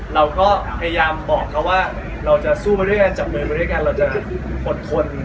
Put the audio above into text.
เราก็พยายามบอกเขาว่าเราจะสู้มาด้วยกันจับมือมาด้วยกันเราจะอดทน